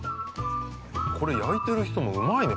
これ焼いてる人もうまいね。